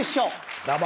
どうも。